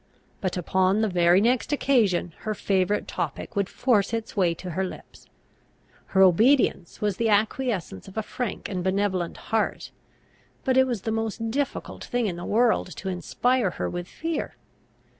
But upon the very next occasion her favourite topic would force its way to her lips. Her obedience was the acquiescence of a frank and benevolent heart; but it was the most difficult thing in the world to inspire her with fear.